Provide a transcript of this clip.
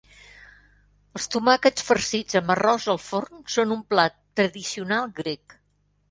Els tomàquets farcits amb arròs al forn són un plat tradicional grec.